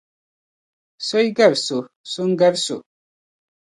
So yi gari so, so n-gari so.